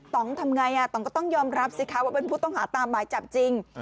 ต้องทำไงต่องก็ต้องยอมรับสิคะว่าเป็นผู้ต้องหาตามหมายจับจริง